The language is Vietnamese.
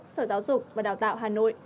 sở giáo dục và đào tạo hà nội